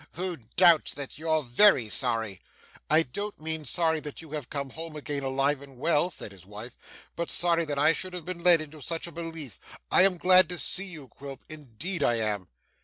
Who doubts that you're VERY sorry!' 'I don't mean sorry that you have come home again alive and well,' said his wife, 'but sorry that I should have been led into such a belief. I am glad to see you, Quilp; indeed I am.